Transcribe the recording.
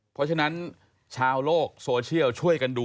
เพราะฉะนั้นชาวโลกโซเชียลช่วยกันดู